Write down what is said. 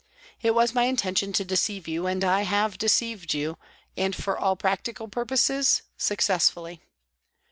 It was my intention to deceive you, and I have deceived you, and, for all practical purposes, successfully.